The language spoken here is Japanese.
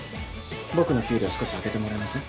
僕の給料少し上げてもらえません？